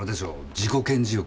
自己顕示欲。